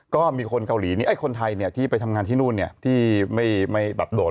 ก็มีคนเกาหลีคนไทยเนี่ยที่ไปทำงานที่นู่นเนี่ยที่ไม่แบบโดด